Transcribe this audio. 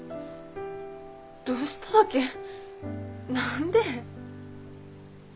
どうしたわけ？何で？